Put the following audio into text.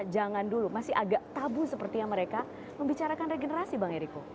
jangan dulu masih agak tabu seperti yang mereka membicarakan regenerasi bang eriko